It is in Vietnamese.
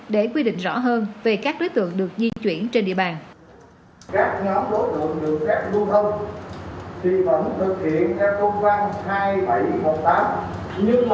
để quy định rõ hơn về các đối tượng được di chuyển trên địa bàn